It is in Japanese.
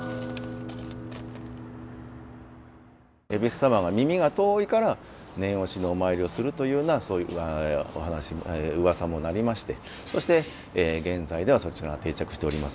戎様は耳が遠いから念押しのお参りをするというようなそういううわさもなりましてそして現在ではそちらが定着しております。